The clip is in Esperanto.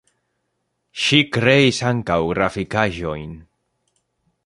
Ŝi kreis ankaŭ grafikaĵojn.